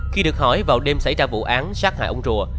khi được hỏi vào đêm xảy ra vụ án sát hại ông rùa